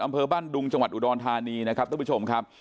อำเภอบ้านดุงจังหวัดอุดรธานีนะครับท่านผู้ชมครับ